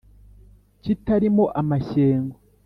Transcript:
kitari mo amashyengo